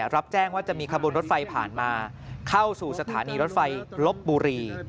รับแจ้งว่าจะมีขบวนรถไฟผ่านมาเข้าสู่สถานีรถไฟลบบุรี